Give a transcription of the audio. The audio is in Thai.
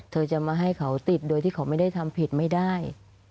เธอจะมาให้เขาติดโดยที่เขาไม่ได้ทำผิดไม่ได้